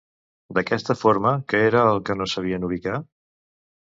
D'aquesta forma, què era el que no sabien ubicar?